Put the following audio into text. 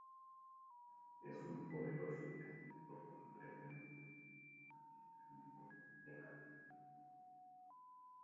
Es un poderoso y astuto hombre de negocios que maneja negocios ilegales en Japón.